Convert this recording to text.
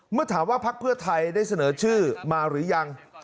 เมื่อถามว่าพักเพื่อไทยได้เสนอชื่อมาหรือยัง